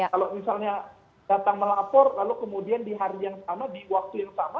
kalau misalnya datang melapor lalu kemudian di hari yang sama di waktu yang sama